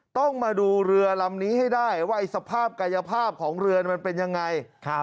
ต้องมาดูเรือลำนี้ให้ได้ว่าสภาพกายภาพของเรือมันเป็นยังไง